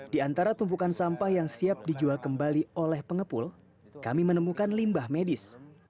di antara tumpukan sampah yang siap dijual kembali oleh pengepul kami menemukan limbah medis